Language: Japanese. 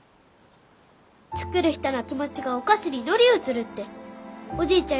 作る人の気持ちがお菓子に乗り移るっておじいちゃん